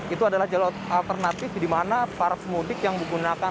itu adalah jalur alternatif di mana para pemudik yang menggunakan